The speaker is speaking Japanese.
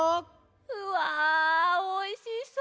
うわおいしそう！